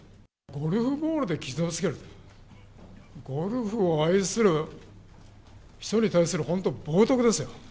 ゴルフボールで傷をつける、ゴルフを愛する人に対する本当、冒とくですよ。